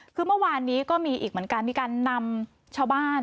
คือเมื่อวานนี้ก็มีอีกเหมือนกันมีการนำชาวบ้าน